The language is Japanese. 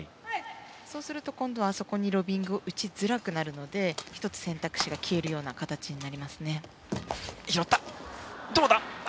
そうすると今度はあそこにロビングを打ちづらくなりますので１つ選択肢が消えるような形になりますね。